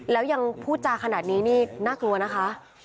แล้วยังพูดจาขนาดนี้นี่น่ากลัวนะคะ